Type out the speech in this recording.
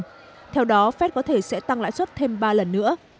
sau đó phép có thể sẽ tăng lãi suất thêm ba lần nữa